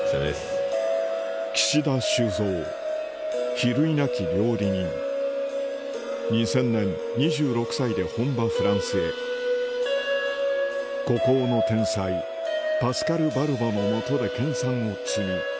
比類なき料理人２０００年２６歳で本場フランスへ孤高の天才パスカル・バルボの下で研さんを積み